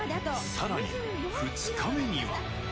さらに、２日目には。